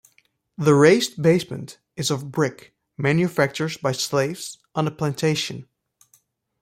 The raised basement is of brick, manufactured by slaves on the plantation.